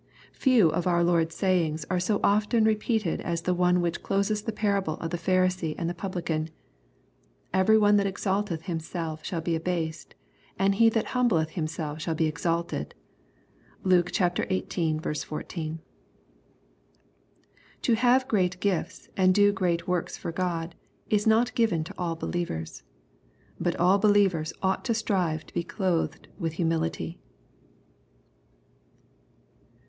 Few of our Lord's sayings are so often repeated as the one which closes the parable of the Pharisee and Publican : '^Every one that exalteth himself shall be abased, and he that humbleth himself shall be exalted." (Lukexviii.l4.) To have great gifts, and do great works for God, is not given to all believers. But all believers ought to strive to be clothed with humility.